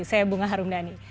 saya bunga harumdani